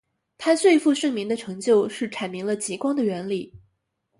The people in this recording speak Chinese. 他最负盛名的成就是阐明了极光的原理。